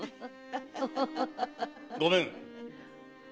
・ごめん！